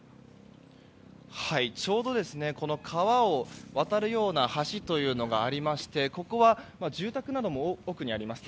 ちょうど川を渡るような橋というのがありましてここは住宅なども奥にあります。